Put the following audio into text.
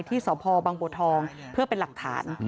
ที่สพบังบัวทองเพื่อเป็นหลักฐาน